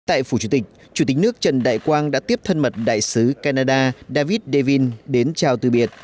tại phủ chủ tịch chủ tịch nước trần đại quang đã tiếp thân mật đại sứ canada david davin đến chào từ biệt